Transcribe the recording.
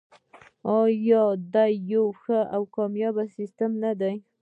آیا د یو ښه او کامیاب سیستم نه دی؟